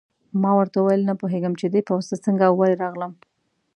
ما ورته وویل: نه پوهېږم چې دې پوځ ته څنګه او ولې راغلم.